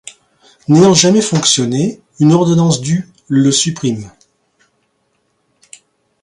N'ayant jamais fonctionné, une ordonnance du le supprime.